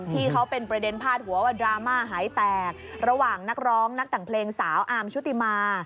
ที่เขาเป็นประเด็นพาดหัวว่าดราม่าหายแตกระหว่างนักร้องนักแต่งเพลงสาวอาร์มชุติมา